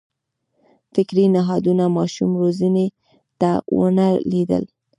فکري نهادونو ماشوم روزنې ته ونه لېدل.